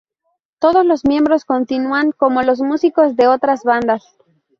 Todos los miembros continúan como los músicos de otras bandas.